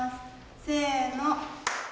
せの。